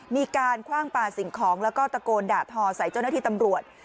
คว่างปลาสิ่งของแล้วก็ตะโกนด่าทอใส่เจ้าหน้าที่ตำรวจ